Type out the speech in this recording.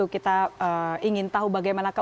kita ingin tahu bagaimana